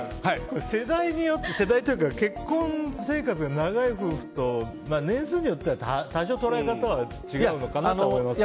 世代によってというか結婚生活が長い夫婦と年数によって多少は捉え方は違うのかなと思いますね。